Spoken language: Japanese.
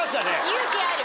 勇気ある。